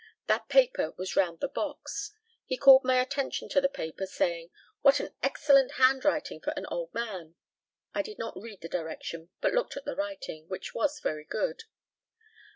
That paper was round the box. He called my attention to the paper, saying, "What an excellent handwriting for an old man!" I did not read the direction, but looked at the writing, which was very good.